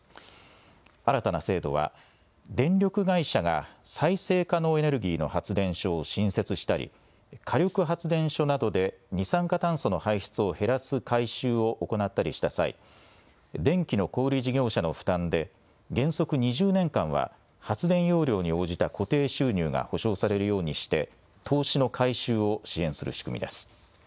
新たな制度は電力会社が再生可能エネルギーの発電所を新設したり、火力発電所などで二酸化炭素の排出を減らす改修を行ったりした際、電気の小売り事業者の負担で原則２０年間は発電容量に応じた固定収入が保証されるようにして投資の回収を支援する仕組みです。